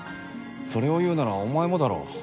それを言うならお前もだろ。